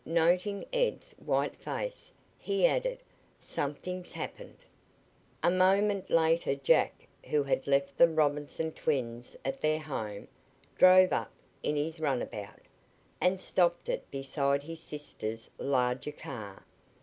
Then, noting Ed's white face, he added: "Something's happened!" A moment later Jack, who had left the Robinson twins at their home, drove up in his runabout, and stopped it beside his sister's larger car.